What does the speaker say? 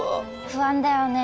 不安だよね？